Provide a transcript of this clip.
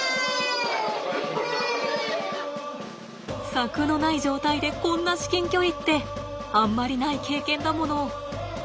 柵のない状態でこんな至近距離ってあんまりない経験だもの。